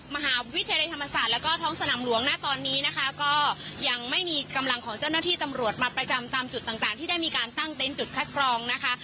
มหาวิทยาลัยธรรมศาสตร์แล้วก็ท้องสนามหลวงนะตอนนี้นะคะก็ยังไม่มีกำลังของเจ้าหน้าที่ตำรวจมาประจำตามจุดต่างต่างที่ได้มีการตั้งเต็นต์จุดคัดกรองนะคะ